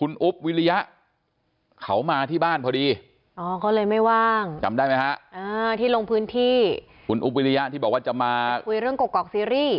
คุณอุ๊บวิริยะเขามาที่บ้านพอดีอ๋อก็เลยไม่ว่างจำได้ไหมฮะที่ลงพื้นที่คุณอุ๊บวิริยะที่บอกว่าจะมาคุยเรื่องกอกซีรีส์